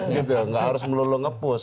ya kita kan sudah harus melulu ngepus